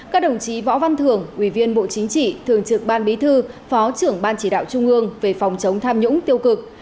các đồng chí võ văn thường ủy viên bộ chính trị thường trực ban bí thư phó trưởng ban chỉ đạo trung ương về phòng chống tham nhũng tiêu cực